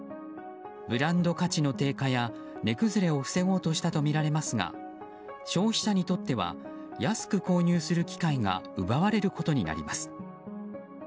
ブランド価値の低下や値崩れを防ごうとしたとみられますが消費者にとっては安く購入する機会が奪われることになります。